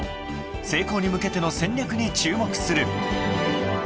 ［成功に向けての戦略に注目する］